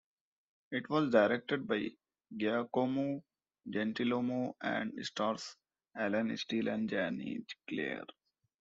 It was directed by Giacomo Gentilomo and stars Alan Steel and Jany Clair.